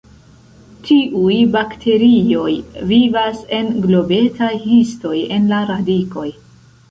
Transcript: Tiuj bakterioj vivas en globetaj histoj en la radikoj.